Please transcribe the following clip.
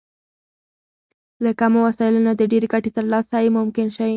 له کمو وسايلو نه د ډېرې ګټې ترلاسی ممکن شي.